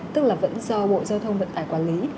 tức là vẫn do bộ giao thông vận tải quản lý